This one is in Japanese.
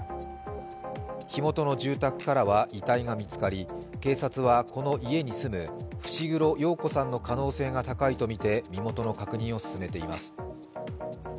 火元の住宅からは遺体が見つかり、警察はこの家に住む伏黒陽子さんの可能性が高いとみて調べています。